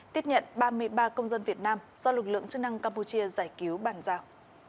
tiếp nhận ba mươi ba công dân việt nam do lực lượng chức năng campuchia giải cứu bàn giao